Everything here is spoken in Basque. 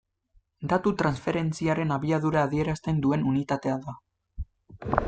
Datu transferentziaren abiadura adierazten duen unitatea da.